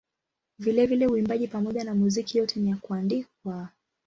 Vilevile uimbaji pamoja na muziki yote ni ya kuandikwa.